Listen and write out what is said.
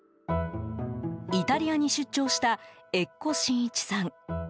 イタリアに出張した越湖信一さん。